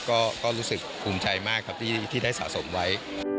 ก็รู้สึกภูมิใจมากครับที่ได้สะสมไว้